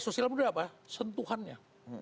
sosial media apa sentuhannya